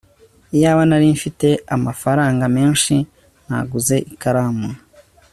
iyaba nari mfite amafaranga menshi, naguze ikaramu